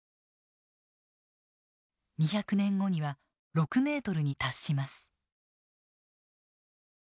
２００年後には６メートルに達します。